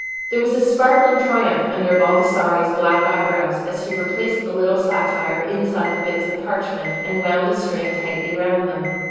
There was a sparkling triumph under Baldassarre's black eyebrows as he replaced the little sapphire inside the bits of parchment and wound the string tightly round them.